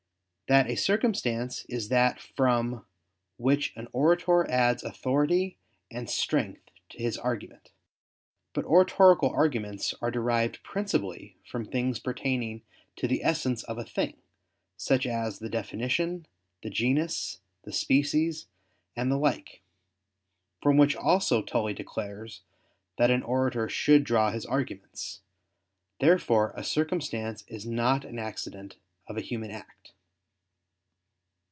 i) that a circumstance is that from "which an orator adds authority and strength to his argument." But oratorical arguments are derived principally from things pertaining to the essence of a thing, such as the definition, the genus, the species, and the like, from which also Tully declares that an orator should draw his arguments. Therefore a circumstance is not an accident of a human act.